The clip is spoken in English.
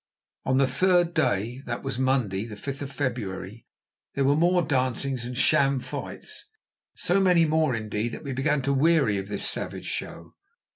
On the third day—that was Monday, the 5th of February, there were more dancings and sham fights, so many more, indeed, that we began to weary of this savage show.